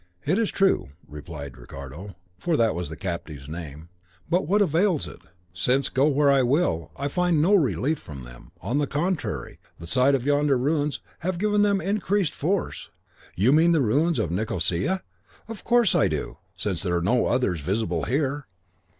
"It is true," replied Ricardo, for that was the captive's name; "but what avails it, since, go where I will, I find no relief from them; on the contrary, the sight of yonder ruins have given them increased force." "You mean the ruins of Nicosia?" "Of course I do, since there are no others visible here."